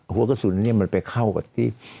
หัวกระสุนมันไปเข้ากับที่